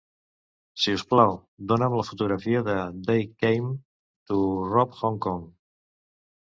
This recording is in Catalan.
Si us plau, dona"m la fotografia They Came to Rob Hong Kong.